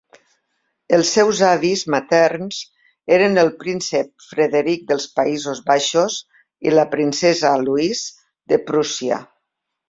Els seus avis materns eren el príncep Frederick dels Països Baixos i la princesa Louise de Prússia.